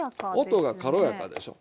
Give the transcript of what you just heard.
音が軽やかでしょ。